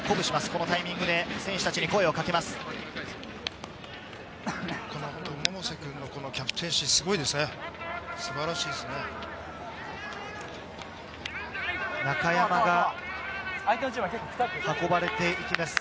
このタイミングで選手たちに声をかけます。